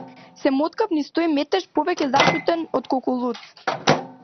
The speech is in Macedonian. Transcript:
Се моткав низ тој метеж повеќе зачуден отколку лут.